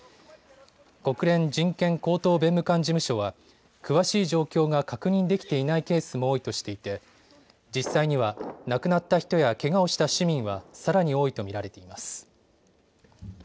国連人権高等弁務官事務所は詳しい状況が確認できていないケースも多いとしていて実際には亡くなった人やけがをした市民はさらに多いと見られています。